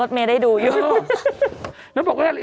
ลดเมลได้ดูอยู่